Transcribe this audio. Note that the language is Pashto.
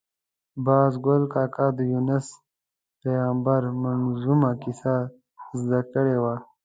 باز ګل کاکا د یونس پېغمبر منظمومه کیسه زده کړې وه.